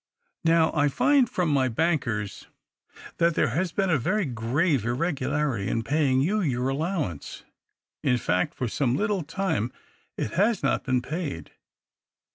Now I find from my bankers that there has lieen a very grave irregularity in paying you your allowance : in fact, for some little time it has not been paid.